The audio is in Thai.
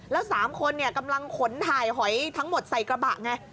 แล้ว๓คนกำลังขนถ่ายหอยทั้งหมดใส่กระบะไง